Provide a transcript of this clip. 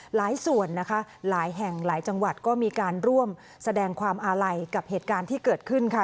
หลายส่วนนะคะหลายแห่งหลายจังหวัดก็มีการร่วมแสดงความอาลัยกับเหตุการณ์ที่เกิดขึ้นค่ะ